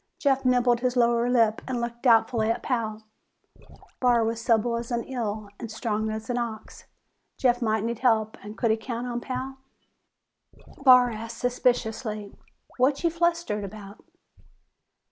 Jeff nibbled his lower lip and looked doubtfully at Pal. Barr was supple as an eel and strong as an ox; Jeff might need help and could he count on Pal? Barr asked suspiciously, "What ye flustered about?"